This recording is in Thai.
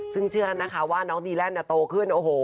ซึ่งเชื่อนะคะว่าน้องดีแลนด์โตขึ้นโอ้โห